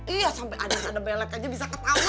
iya sampe aden ada belet aja bisa ke taman bisa liat